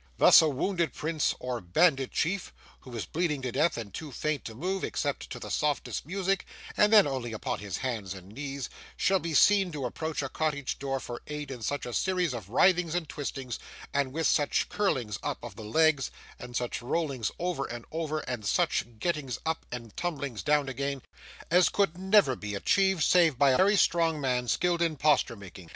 Thus, a wounded prince or bandit chief, who is bleeding to death and too faint to move, except to the softest music (and then only upon his hands and knees), shall be seen to approach a cottage door for aid in such a series of writhings and twistings, and with such curlings up of the legs, and such rollings over and over, and such gettings up and tumblings down again, as could never be achieved save by a very strong man skilled in posture making.